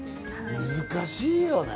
難しいよね。